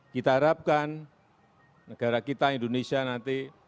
kita harapkan negara kita indonesia nanti